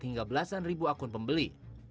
hingga belasan ribu akun pembeli